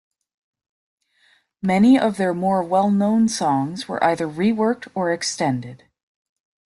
Many of their more well-known songs were either re-worked or extended.